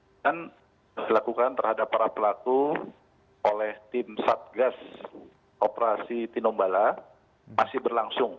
yang dilakukan terhadap para pelaku oleh tim satgas operasi tinombala masih berlangsung